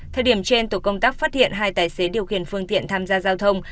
thời điểm trên tổ công tác phát hiện hai tài xế điều khiển phương tiện tham gia giao thông